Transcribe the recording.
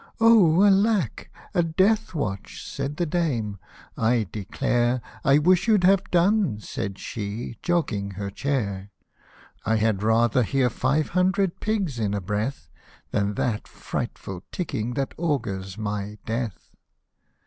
" Oh ! alack ! a death watch" said the dame, " I declare, I wish you'd have done," said she, jogging her chair ; I had rather hear five hundred pigs in a breath, Than that frightful ticking, that augurs my death."